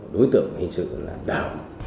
đối tượng hình sự là đào